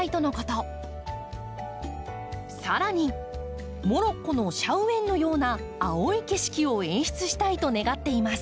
さらにモロッコのシャウエンのような青い景色を演出したいと願っています。